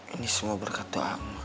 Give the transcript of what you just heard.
ini semua berkat doa emak